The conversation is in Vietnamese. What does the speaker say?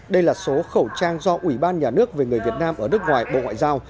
đây là số khẩu trang do ủy ban nhà nước về người việt nam ở nước ngoài bộ ngoại giao